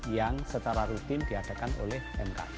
yang secara rutin diadakan oleh mk